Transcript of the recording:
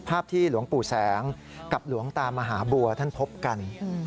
ภาพที่หลวงปู่แสงกับหลวงตามหาบัวท่านพบกัน